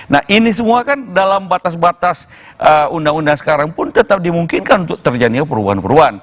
nah ini semua kan dalam batas batas undang undang sekarang pun tetap dimungkinkan untuk terjadinya perubahan perubahan